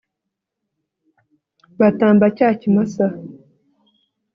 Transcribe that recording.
batamba cya kimasa